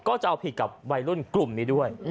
ก็จะเอาผิดกับวัยรุ่นกลุ่มนี้ด้วย